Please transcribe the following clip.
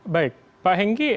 baik pak hengki